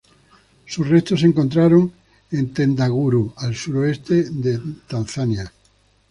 Sus restos se encontraron en Tendaguru al sureste de Tanzania.